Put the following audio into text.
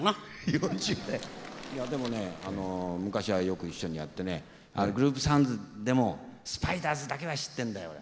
いやでもね昔はよく一緒にやってねグループサウンズでもスパイダースだけは知ってんだよ俺。